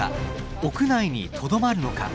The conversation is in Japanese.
屋内にとどまるのか？